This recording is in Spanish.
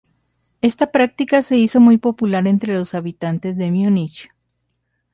Esta práctica se hizo muy popular entre los habitantes de Múnich.